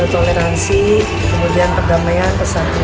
toleransi kemudian perdamaian kesatuan